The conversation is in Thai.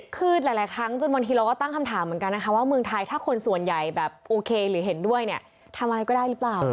คือหลายครั้งจนบางทีเราก็ตั้งคำถามเหมือนกันนะคะว่าเมืองไทยถ้าคนส่วนใหญ่แบบโอเคหรือเห็นด้วยเนี่ยทำอะไรก็ได้หรือเปล่า